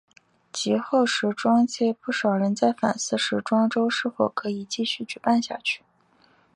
及后时装界不少人在反思时装周是否可以继续举办下去。